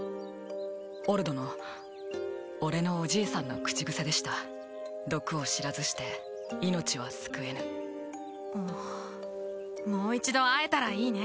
オルドの俺のおじいさんの口癖でした毒を知らずして命は救えぬもう一度会えたらいいね